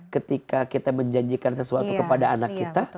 ketika kita menjanjikan sesuatu kepada anak kita